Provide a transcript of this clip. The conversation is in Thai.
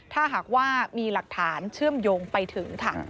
ถ้าหากว่ามีหลักฐานเชื่อมโยงไปถึงค่ะ